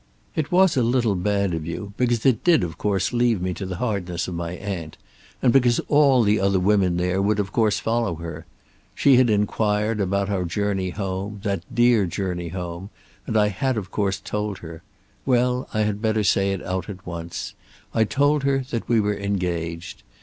It was a little bad of you, because it did of course leave me to the hardness of my aunt; and because all the other women there would of course follow her. She had inquired about our journey home, that dear journey home, and I had of course told her, well I had better say it out at once; I told her that we were engaged.